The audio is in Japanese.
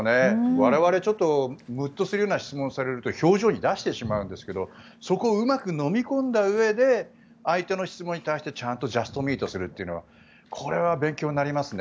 我々、ムッとするような質問をされると表情に出してしまうんですけどそこをうまくのみ込んだうえで相手の質問に対してジャストミートするというのは勉強になりますね。